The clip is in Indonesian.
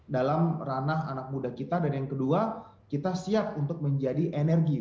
dalam ranah anak muda kita dan yang kedua kita siap untuk menjadi energi